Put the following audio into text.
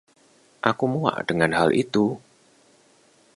Aku muak dengan hal itu!